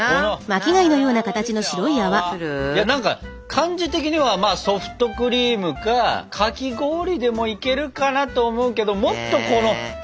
何か感じ的にはソフトクリームかかき氷でもいけるかなと思うけどでももっとこのふわふわした！